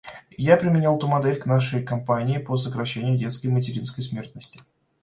Я применил эту модель к нашей кампании по сокращению детской и материнской смертности.